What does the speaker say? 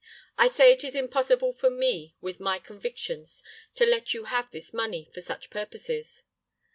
I say it is impossible for me, with my convictions, to let you have this money for such purposes."